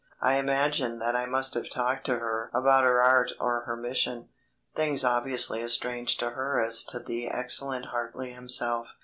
I imagine that I must have talked to her about her art or her mission things obviously as strange to her as to the excellent Hartly himself.